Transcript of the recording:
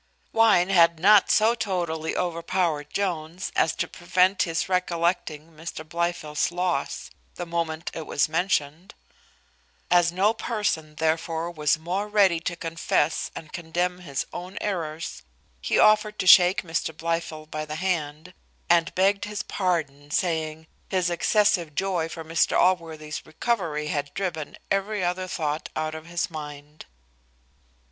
Wine had not so totally overpowered Jones, as to prevent his recollecting Mr Blifil's loss, the moment it was mentioned. As no person, therefore, was more ready to confess and condemn his own errors, he offered to shake Mr Blifil by the hand, and begged his pardon, saying, "His excessive joy for Mr Allworthy's recovery had driven every other thought out of his mind."